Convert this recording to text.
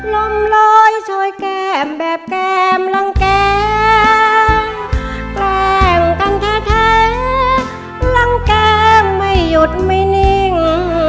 ลมลอยช่วยแก้มแบบแก้มลังแกล้งกันแท้ลังแก้มไม่หยุดไม่นิ่ง